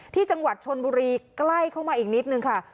ที่จังหวัดชนบุรีใกล้เข้ามาอีกนิดนึงค่ะ